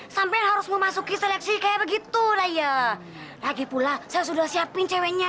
sampai harus memasuki seleksi kayak begitu lah ya lagi pula saya sudah siapin ceweknya